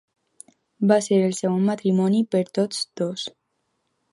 Va ser el segon matrimoni per tots dos.